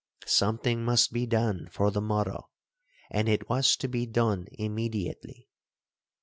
Something must be done for the morrow,—and it was to be done immediately.